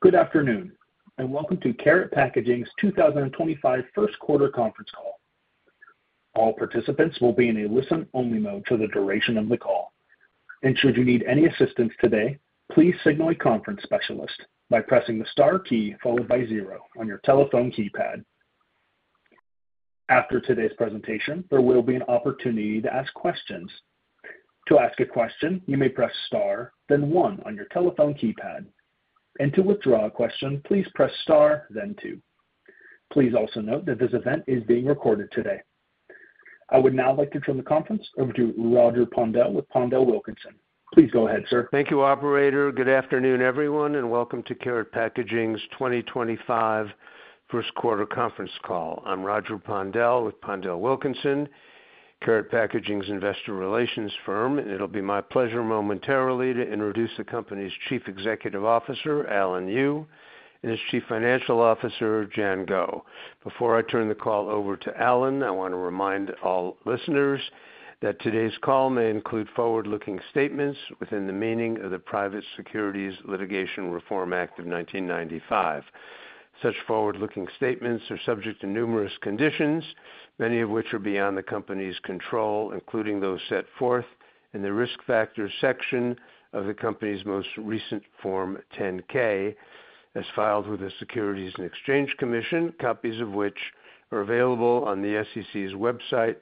Good afternoon, and welcome to Karat Packaging's 2025 first quarter conference call. All participants will be in a listen-only mode for the duration of the call. Should you need any assistance today, please signal a conference specialist by pressing the star key followed by zero on your telephone keypad. After today's presentation, there will be an opportunity to ask questions. To ask a question, you may press star, then one on your telephone keypad. To withdraw a question, please press star, then two. Please also note that this event is being recorded today. I would now like to turn the conference over to Roger Pondel with PondelWilkinson. Please go ahead, sir. Thank you, Operator. Good afternoon, everyone, and welcome to Karat Packaging's 2025 first quarter conference call. I'm Roger Pondel with PondelWilkinson, Karat Packaging's investor relations firm. It will be my pleasure momentarily to introduce the company's Chief Executive Officer, Alan Yu, and his Chief Financial Officer, Jian Guo. Before I turn the call over to Alan, I want to remind all listeners that today's call may include forward-looking statements within the meaning of the Private Securities Litigation Reform Act of 1995. Such forward-looking statements are subject to numerous conditions, many of which are beyond the company's control, including those set forth in the risk factors section of the company's most recent Form 10-K, as filed with the Securities and Exchange Commission, copies of which are available on the SEC's website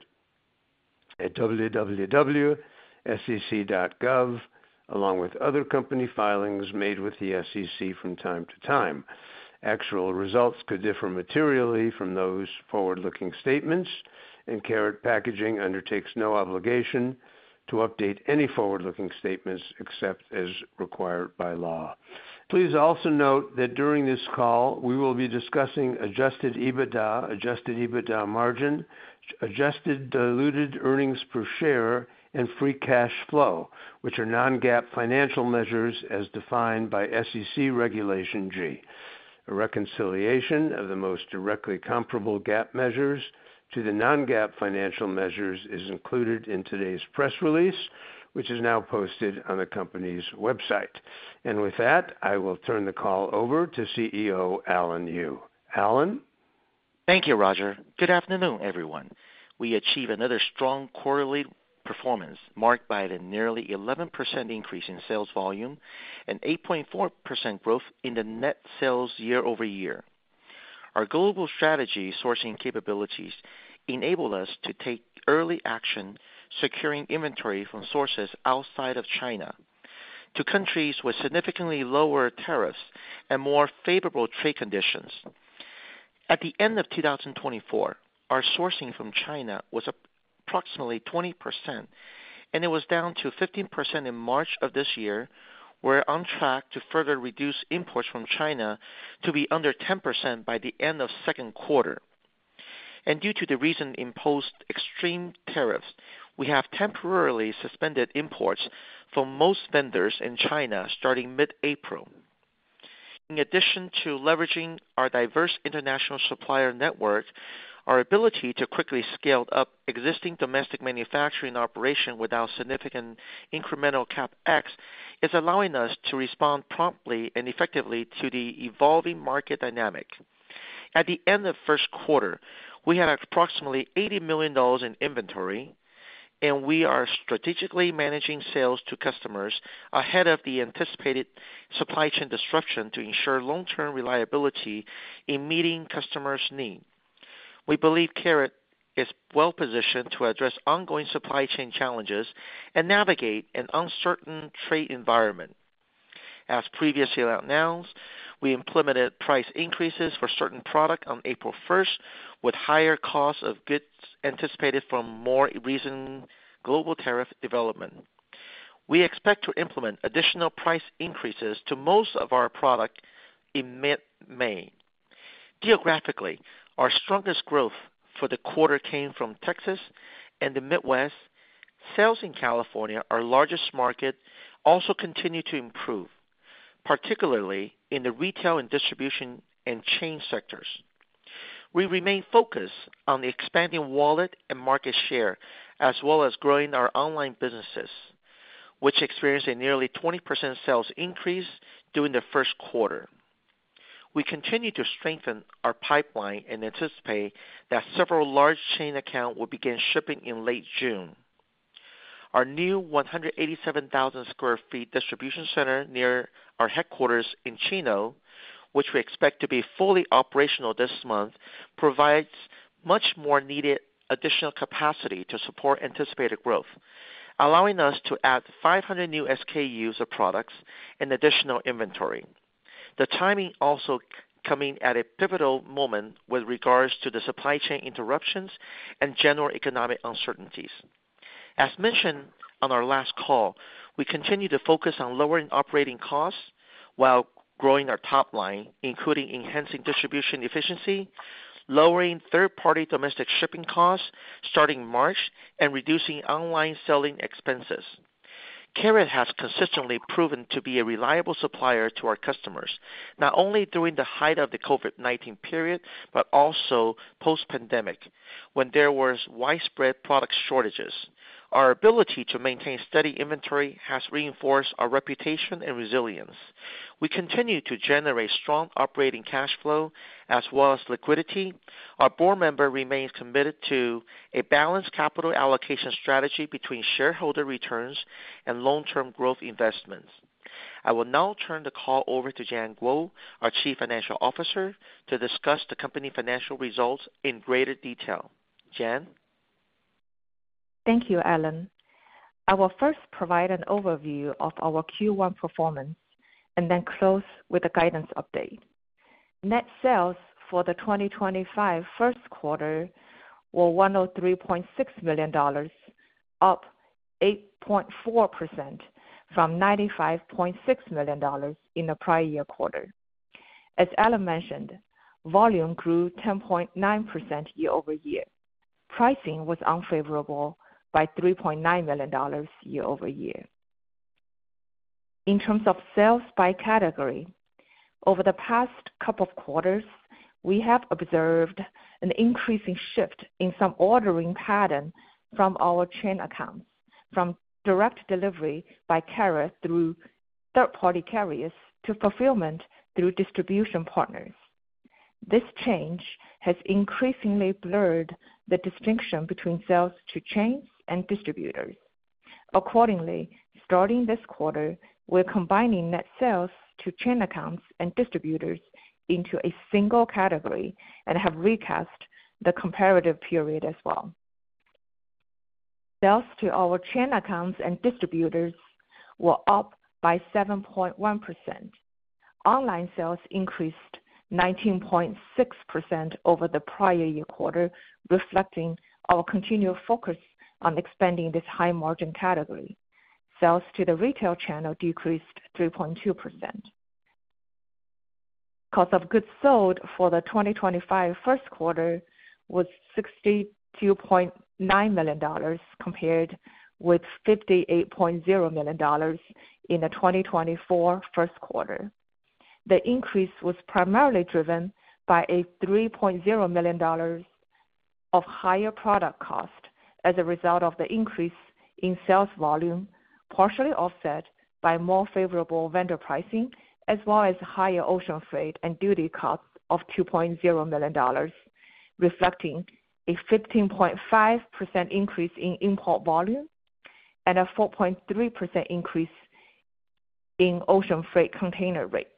at www.sec.gov, along with other company filings made with the SEC from time to time. Actual results could differ materially from those forward-looking statements, and Karat Packaging undertakes no obligation to update any forward-looking statements except as required by law. Please also note that during this call, we will be discussing adjusted EBITDA, adjusted EBITDA margin, adjusted diluted earnings per share, and free cash flow, which are non-GAAP financial measures as defined by SEC Regulation G. A reconciliation of the most directly comparable GAAP measures to the non-GAAP financial measures is included in today's press release, which is now posted on the company's website. With that, I will turn the call over to CEO Alan Yu. Alan. Thank you, Roger. Good afternoon, everyone. We achieve another strong quarterly performance marked by the nearly 11% increase in sales volume and 8.4% growth in the net sales year-over-year. Our global strategy sourcing capabilities enable us to take early action securing inventory from sources outside of China to countries with significantly lower tariffs and more favorable trade conditions. At the end of 2024, our sourcing from China was approximately 20%, and it was down to 15% in March of this year, where we're on track to further reduce imports from China to be under 10% by the end of the second quarter. Due to the recently imposed extreme tariffs, we have temporarily suspended imports from most vendors in China starting mid-April. In addition to leveraging our diverse international supplier network, our ability to quickly scale up existing domestic manufacturing operations without significant incremental CapEx is allowing us to respond promptly and effectively to the evolving market dynamic. At the end of the first quarter, we had approximately $80 million in inventory, and we are strategically managing sales to customers ahead of the anticipated supply chain disruption to ensure long-term reliability in meeting customers' needs. We believe Karat is well-positioned to address ongoing supply chain challenges and navigate an uncertain trade environment. As previously announced, we implemented price increases for certain products on April 1st, with higher costs of goods anticipated from more recent global tariff development. We expect to implement additional price increases to most of our products in mid-May. Geographically, our strongest growth for the quarter came from Texas and the Midwest. Sales in California, our largest market, also continue to improve, particularly in the retail and distribution and chain sectors. We remain focused on the expanding wallet and market share, as well as growing our online businesses, which experienced a nearly 20% sales increase during the first quarter. We continue to strengthen our pipeline and anticipate that several large chain accounts will begin shipping in late June. Our new 187,000 sq ft distribution center near our headquarters in Chino, which we expect to be fully operational this month, provides much more needed additional capacity to support anticipated growth, allowing us to add 500 new SKUs of products and additional inventory. The timing also comes at a pivotal moment with regards to the supply chain interruptions and general economic uncertainties. As mentioned on our last call, we continue to focus on lowering operating costs while growing our top line, including enhancing distribution efficiency, lowering third-party domestic shipping costs starting March, and reducing online selling expenses. Karat has consistently proven to be a reliable supplier to our customers, not only during the height of the COVID-19 period but also post-pandemic, when there were widespread product shortages. Our ability to maintain steady inventory has reinforced our reputation and resilience. We continue to generate strong operating cash flow as well as liquidity. Our board member remains committed to a balanced capital allocation strategy between shareholder returns and long-term growth investments. I will now turn the call over to Jian Guo, our Chief Financial Officer, to discuss the company financial results in greater detail. Jian. Thank you, Alan. I will first provide an overview of our Q1 performance and then close with a guidance update. Net sales for the 2025 first quarter were $103.6 million, up 8.4% from $95.6 million in the prior year quarter. As Alan mentioned, volume grew 10.9% year-over-year. Pricing was unfavorable by $3.9 million year-over-year. In terms of sales by category, over the past couple of quarters, we have observed an increasing shift in some ordering pattern from our chain accounts, from direct delivery by Karat through third-party carriers to fulfillment through distribution partners. This change has increasingly blurred the distinction between sales to chains and distributors. Accordingly, starting this quarter, we're combining net sales to chain accounts and distributors into a single category and have recast the comparative period as well. Sales to our chain accounts and distributors were up by 7.1%. Online sales increased 19.6% over the prior year quarter, reflecting our continued focus on expanding this high-margin category. Sales to the retail channel decreased 3.2%. Cost of goods sold for the 2025 first quarter was $62.9 million compared with $58.0 million in the 2024 first quarter. The increase was primarily driven by $3.0 million of higher product cost as a result of the increase in sales volume, partially offset by more favorable vendor pricing, as well as higher ocean freight and duty costs of $2.0 million, reflecting a 15.5% increase in import volume and a 4.3% increase in ocean freight container rates.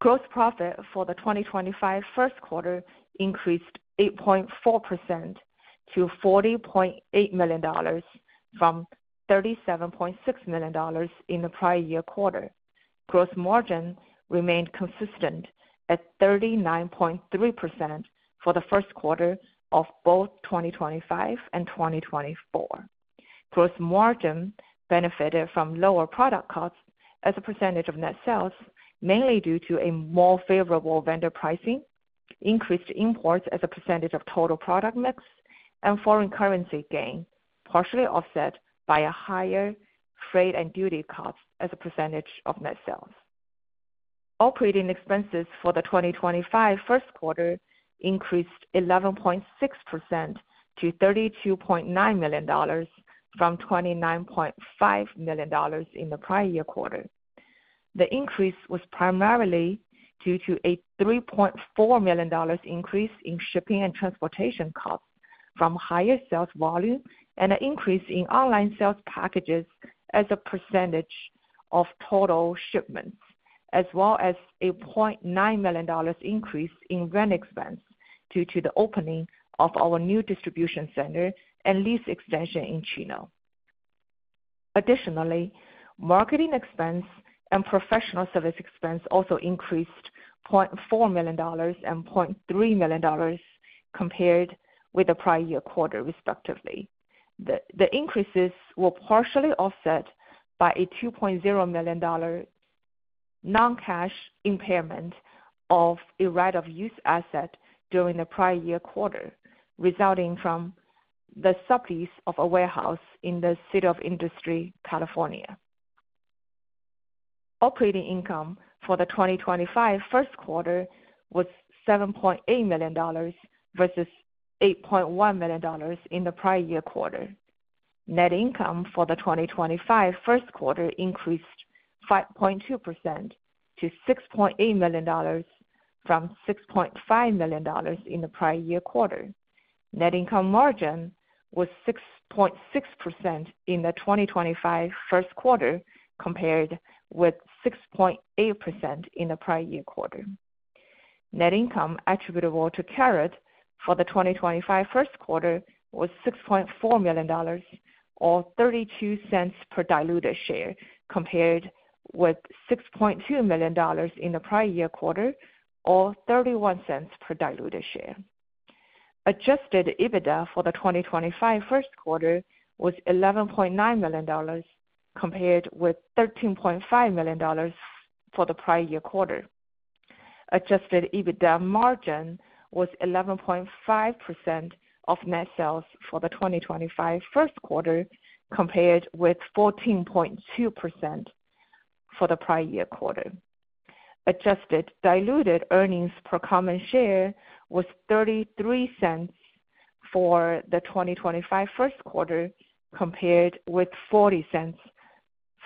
Gross profit for the 2025 first quarter increased 8.4% to $40.8 million from $37.6 million in the prior year quarter. Gross margin remained consistent at 39.3% for the first quarter of both 2025 and 2024. Gross margin benefited from lower product costs as a percentage of net sales, mainly due to more favorable vendor pricing, increased imports as a percentage of total product mix, and foreign currency gain, partially offset by higher freight and duty costs as a percentage of net sales. Operating expenses for the 2025 first quarter increased 11.6% to $32.9 million from $29.5 million in the prior year quarter. The increase was primarily due to a $3.4 million increase in shipping and transportation costs from higher sales volume and an increase in online sales packages as a percentage of total shipments, as well as a $0.9 million increase in vendor expense due to the opening of our new distribution center and lease extension in Chino. Additionally, marketing expense and professional service expense also increased $0.4 million and $0.3 million compared with the prior year quarter, respectively. The increases were partially offset by a $2.0 million non-cash impairment of a right-of-use asset during the prior year quarter, resulting from the sublease of a warehouse in the City of Industry, California. Operating income for the 2025 first quarter was $7.8 million versus $8.1 million in the prior year quarter. Net income for the 2025 first quarter increased 5.2% to $6.8 million from $6.5 million in the prior year quarter. Net income margin was 6.6% in the 2025 first quarter compared with 6.8% in the prior year quarter. Net income attributable to Karat for the 2025 first quarter was $6.4 million, or $0.32 per diluted share, compared with $6.2 million in the prior year quarter, or $0.31 per diluted share. Adjusted EBITDA for the 2025 first quarter was $11.9 million compared with $13.5 million for the prior year quarter. Adjusted EBITDA margin was 11.5% of net sales for the 2025 first quarter, compared with 14.2% for the prior year quarter. Adjusted diluted earnings per common share was $0.33 for the 2025 first quarter, compared with $0.40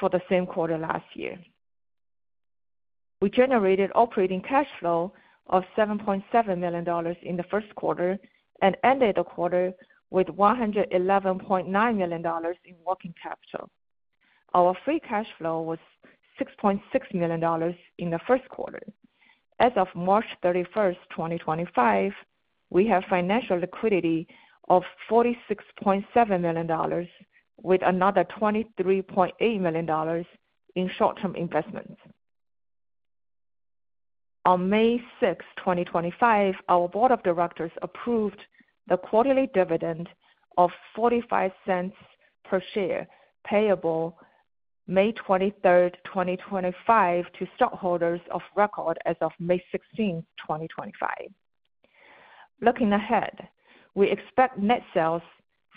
for the same quarter last year. We generated operating cash flow of $7.7 million in the first quarter and ended the quarter with $111.9 million in working capital. Our free cash flow was $6.6 million in the first quarter. As of March 31, 2025, we have financial liquidity of $46.7 million, with another $23.8 million in short-term investments. On May 6, 2025, our board of directors approved the quarterly dividend of $0.45 per share, payable May 23, 2025, to stockholders of record as of May 16, 2025. Looking ahead, we expect net sales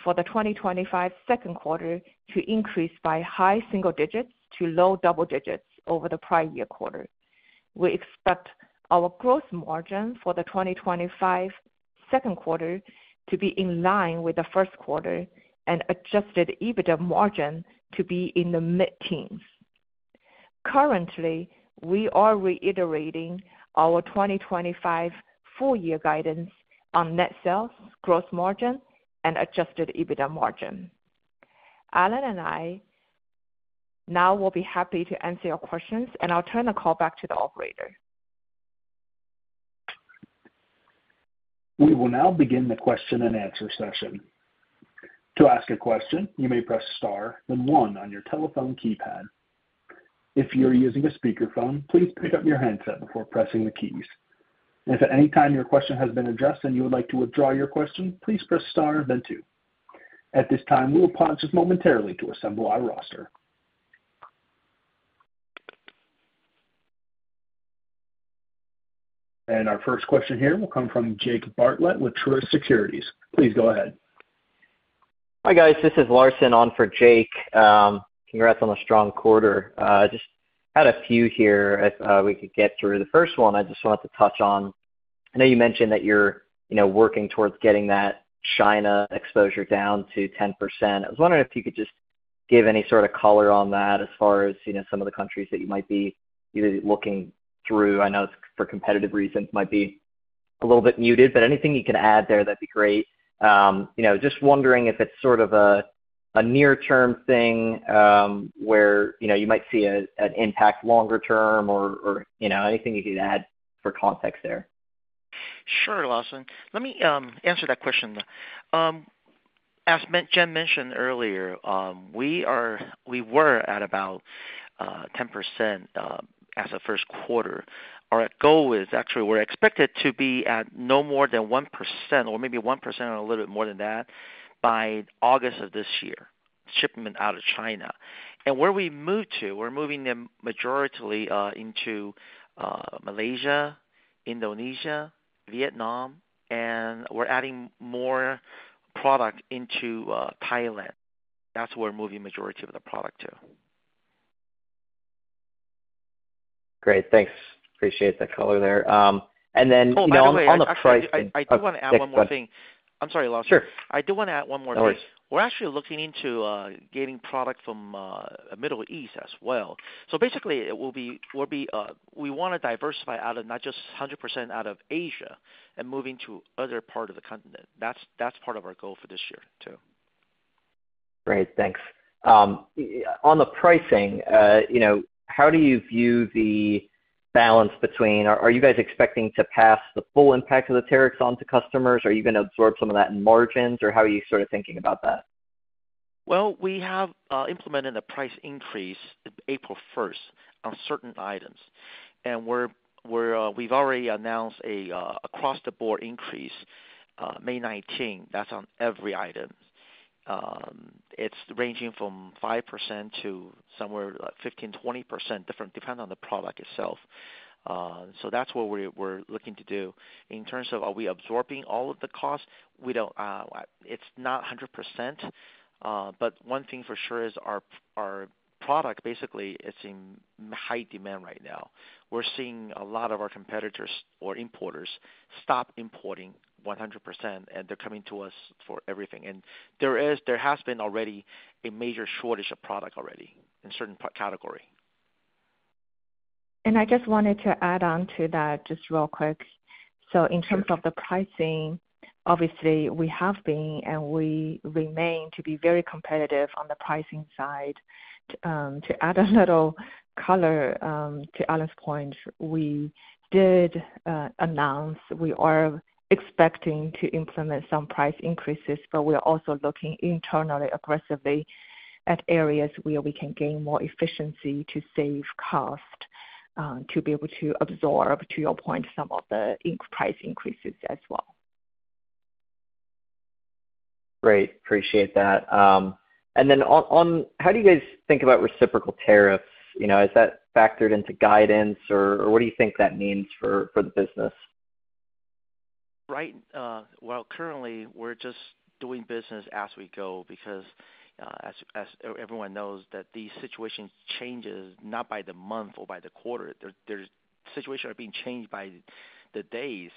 for the 2025 second quarter to increase by high single digits to low double digits over the prior year quarter. We expect our gross margin for the 2025 second quarter to be in line with the first quarter and adjusted EBITDA margin to be in the mid-teens. Currently, we are reiterating our 2025 full-year guidance on net sales, gross margin, and adjusted EBITDA margin. Alan and I now will be happy to answer your questions, and I'll turn the call back to the operator. We will now begin the question-and-answer session. To ask a question, you may press star then one on your telephone keypad. If you're using a speakerphone, please pick up your handset before pressing the keys. If at any time your question has been addressed and you would like to withdraw your question, please press star then two. At this time, we will pause just momentarily to assemble our roster. Our first question here will come from Jake Bartlett with Truist Securities. Please go ahead. Hi, guys. This is Larson on for Jake. Congrats on the strong quarter. I just had a few here if we could get through. The first one I just wanted to touch on, I know you mentioned that you're working towards getting that China exposure down to 10%. I was wondering if you could just give any sort of color on that as far as some of the countries that you might be looking through. I know for competitive reasons it might be a little bit muted, but anything you can add there, that'd be great. Just wondering if it's sort of a near-term thing where you might see an impact longer term or anything you could add for context there. Sure, Larson. Let me answer that question. As Jian mentioned earlier, we were at about 10% as a first quarter. Our goal is actually we're expected to be at no more than 1% or maybe 1% or a little bit more than that by August of this year, shipment out of China. Where we move to, we're moving them majoritely into Malaysia, Indonesia, Vietnam, and we're adding more product into Thailand. That's where we're moving the majority of the product to. Great. Thanks. Appreciate the color there. And then on the price thing. I do want to add one more thing. I'm sorry, Larson. Sure. I do want to add one more thing. Of course. We're actually looking into getting product from the Middle East as well. Basically, we want to diversify out of not just 100% out of Asia and moving to other parts of the continent. That's part of our goal for this year too. Great. Thanks. On the pricing, how do you view the balance between are you guys expecting to pass the full impact of the tariffs on to customers? Are you going to absorb some of that in margins, or how are you sort of thinking about that? We have implemented a price increase April 1st on certain items. We have already announced a cross-the-board increase May 19. That's on every item. It's ranging from 5% to somewhere like 15%-20%, depending on the product itself. That's what we're looking to do. In terms of are we absorbing all of the costs, it's not 100%. One thing for sure is our product, basically, it's in high demand right now. We're seeing a lot of our competitors or importers stop importing 100%, and they're coming to us for everything. There has been already a major shortage of product already in certain categories. I just wanted to add on to that just real quick. In terms of the pricing, obviously, we have been and we remain to be very competitive on the pricing side. To add a little color to Alan's point, we did announce we are expecting to implement some price increases, but we're also looking internally aggressively at areas where we can gain more efficiency to save cost to be able to absorb, to your point, some of the price increases as well. Great. Appreciate that. How do you guys think about reciprocal tariffs? Is that factored into guidance, or what do you think that means for the business? Right. Currently, we're just doing business as we go because as everyone knows that the situation changes not by the month or by the quarter. The situation is being changed by the days.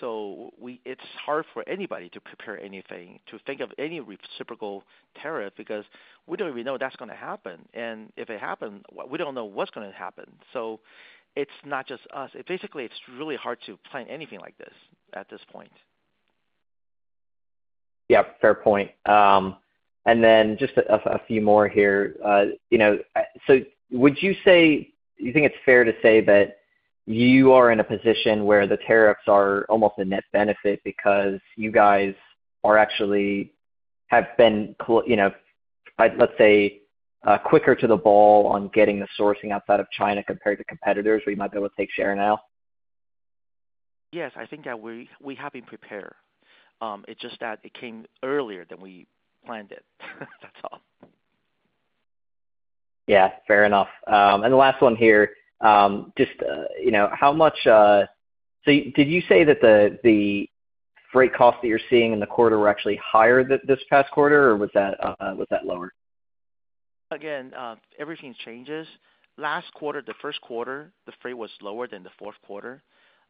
It's hard for anybody to prepare anything, to think of any reciprocal tariff because we don't even know that's going to happen. If it happens, we don't know what's going to happen. It's not just us. Basically, it's really hard to plan anything like this at this point. Yep. Fair point. And then just a few more here. Would you say you think it's fair to say that you are in a position where the tariffs are almost a net benefit because you guys actually have been, let's say, quicker to the ball on getting the sourcing outside of China compared to competitors where you might be able to take share now? Yes. I think that we have been prepared. It's just that it came earlier than we planned it. That's all. Yeah. Fair enough. The last one here, just how much did you say that the freight costs that you're seeing in the quarter were actually higher this past quarter, or was that lower? Again, everything changes. Last quarter, the first quarter, the freight was lower than the fourth quarter.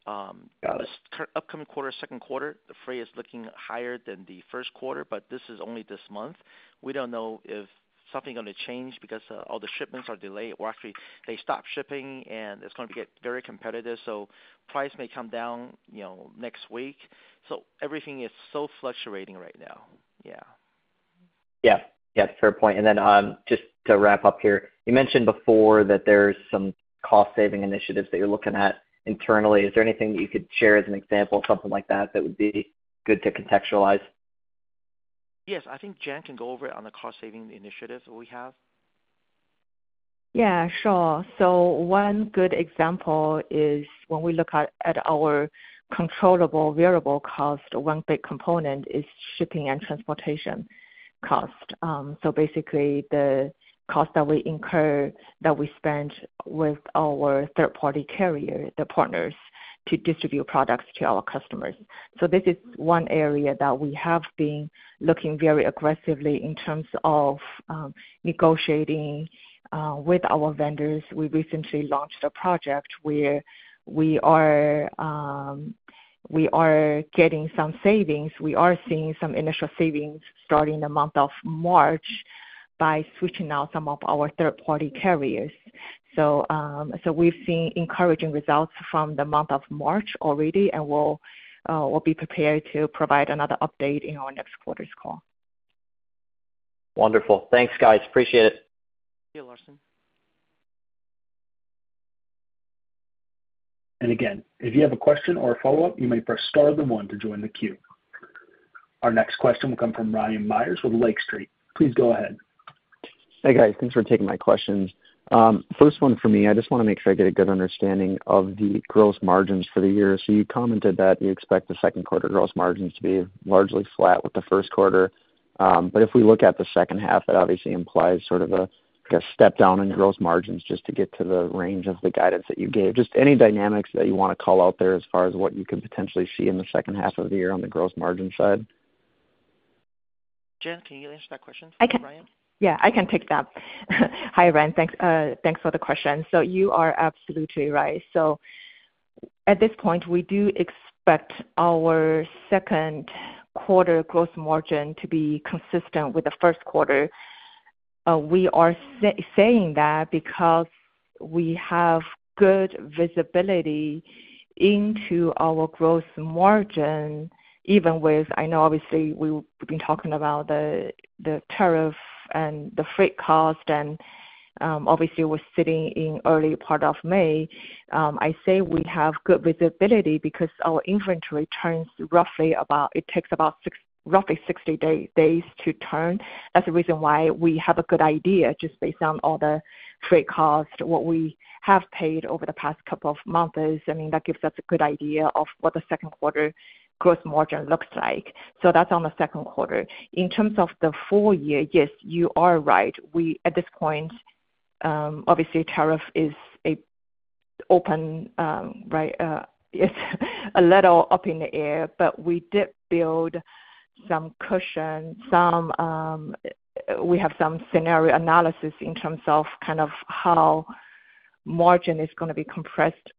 This upcoming quarter, second quarter, the freight is looking higher than the first quarter, but this is only this month. We do not know if something is going to change because all the shipments are delayed. Actually, they stopped shipping, and it is going to get very competitive. Price may come down next week. Everything is so fluctuating right now. Yeah. Yeah. Yeah. Fair point. Just to wrap up here, you mentioned before that there's some cost-saving initiatives that you're looking at internally. Is there anything that you could share as an example, something like that, that would be good to contextualize? Yes. I think Jian can go over it on the cost-saving initiatives that we have. Yeah. Sure. So one good example is when we look at our controllable variable cost, one big component is shipping and transportation cost. Basically, the cost that we incur, that we spend with our third-party carrier, the partners, to distribute products to our customers. This is one area that we have been looking very aggressively in terms of negotiating with our vendors. We recently launched a project where we are getting some savings. We are seeing some initial savings starting the month of March by switching out some of our third-party carriers. We have seen encouraging results from the month of March already, and we will be prepared to provide another update in our next quarter's call. Wonderful. Thanks, guys. Appreciate it. Thank you, Larson. If you have a question or a follow-up, you may press star then one to join the queue. Our next question will come from Ryan Meyers with Lake Street. Please go ahead. Hey, guys. Thanks for taking my questions. First one for me, I just want to make sure I get a good understanding of the gross margins for the year. You commented that you expect the second quarter gross margins to be largely flat with the first quarter. If we look at the second half, that obviously implies sort of a step down in gross margins just to get to the range of the guidance that you gave. Any dynamics that you want to call out there as far as what you can potentially see in the second half of the year on the gross margin side? Jian, can you answer that question for Ryan? Yeah. I can take that. Hi, Ryan. Thanks for the question. You are absolutely right. At this point, we do expect our second quarter gross margin to be consistent with the first quarter. We are saying that because we have good visibility into our gross margin, even with, I know, obviously, we've been talking about the tariff and the freight cost. Obviously, we're sitting in early part of May. I say we have good visibility because our inventory turns roughly about, it takes about roughly 60 days to turn. That's the reason why we have a good idea just based on all the freight cost, what we have paid over the past couple of months. That gives us a good idea of what the second quarter gross margin looks like. That's on the second quarter. In terms of the full year, yes, you are right. At this point, obviously, tariff is open, right? It's a little up in the air, but we did build some cushion. We have some scenario analysis in terms of kind of how margin is going to be compressed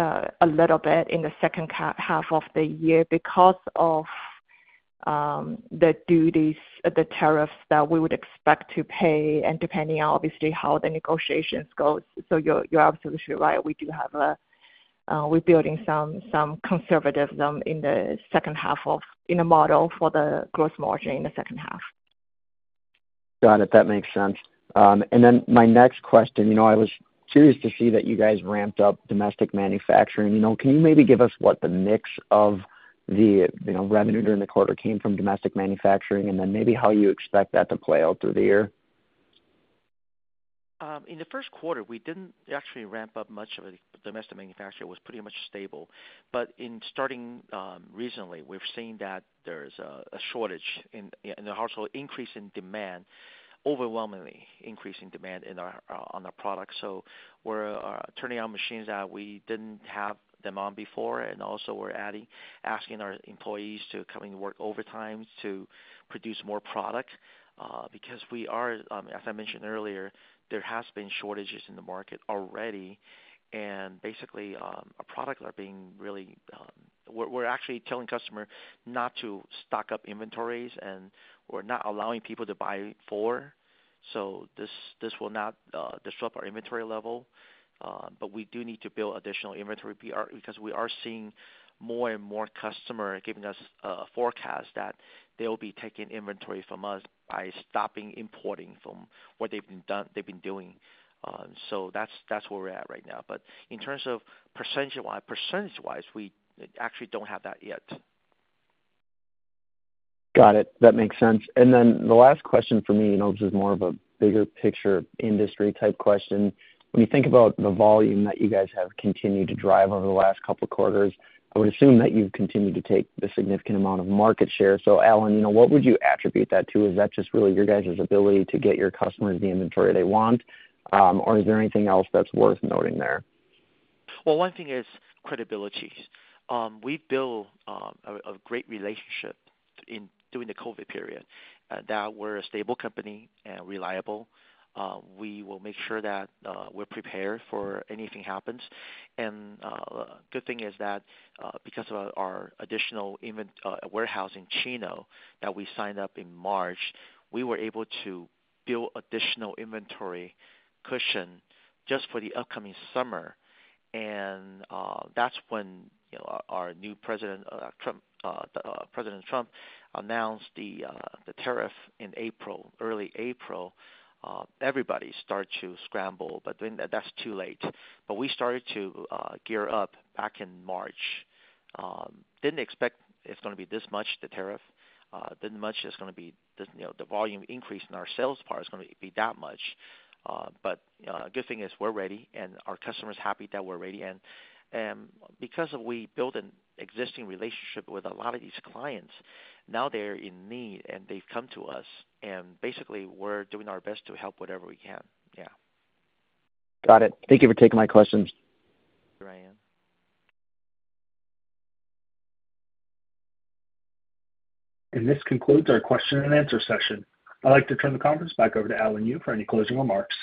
a little bit in the second half of the year because of the duties, the tariffs that we would expect to pay, and depending on, obviously, how the negotiations go. You are absolutely right. We do have a we are building some conservatism in the second half of in a model for the gross margin in the second half. Got it. That makes sense. My next question, I was curious to see that you guys ramped up domestic manufacturing. Can you maybe give us what the mix of the revenue during the quarter came from domestic manufacturing and then maybe how you expect that to play out through the year? In the first quarter, we did not actually ramp up much of the domestic manufacturing. It was pretty much stable. Starting recently, we have seen that there is a shortage in the household, increase in demand, overwhelmingly increase in demand on our products. We are turning out machines that we did not have them on before. Also, we are asking our employees to come in and work overtime to produce more product because we are, as I mentioned earlier, there have been shortages in the market already. Basically, our products are being really, we are actually telling customers not to stock up inventories, and we are not allowing people to buy for. This will not disrupt our inventory level. We do need to build additional inventory because we are seeing more and more customers giving us forecasts that they will be taking inventory from us by stopping importing from what they have been doing. That's where we're at right now. But in terms of percentage-wise, we actually don't have that yet. Got it. That makes sense. The last question for me, this is more of a bigger picture industry-type question. When you think about the volume that you guys have continued to drive over the last couple of quarters, I would assume that you've continued to take the significant amount of market share. Alan, what would you attribute that to? Is that just really your guys' ability to get your customers the inventory they want, or is there anything else that's worth noting there? One thing is credibility. We've built a great relationship during the COVID period. That we're a stable company and reliable. We will make sure that we're prepared for anything that happens. The good thing is that because of our additional warehouse in Chino that we signed up in March, we were able to build additional inventory cushion just for the upcoming summer. That is when our new president, President Trump, announced the tariff in April, early April. Everybody started to scramble, but then that's too late. We started to gear up back in March. Didn't expect it's going to be this much, the tariff. Didn't expect it's going to be the volume increase in our sales part is going to be that much. The good thing is we're ready, and our customers are happy that we're ready. Because we built an existing relationship with a lot of these clients, now they're in need, and they've come to us. Basically, we're doing our best to help whatever we can. Yeah. Got it. Thank you for taking my questions. Thank you, Ryan. This concludes our question-and-answer session. I'd like to turn the conference back over to Alan Yu for any closing remarks.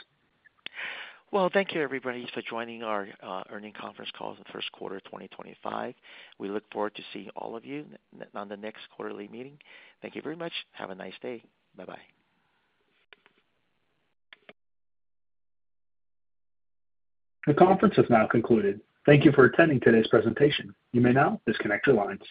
Thank you, everybody, for joining our earning conference calls in the first quarter of 2025. We look forward to seeing all of you on the next quarterly meeting. Thank you very much. Have a nice day. Bye-bye. The conference has now concluded. Thank you for attending today's presentation. You may now disconnect your lines.